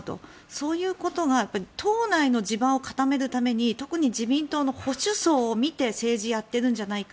そういうことが党内の地盤を固めるために特に自民党の保守層を見て政治をやってるんじゃないか。